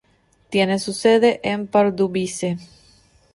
Tiene su sede en Pardubice.